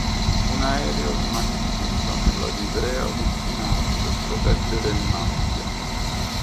Un aereo rimane dipinto nella livrea originale per proteggere il marchio.